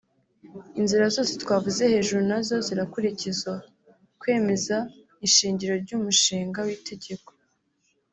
inzira zose twavuze hejuru na zo zirakurikizwa (kwemeza ishingiro ry’umushinga w’itegeko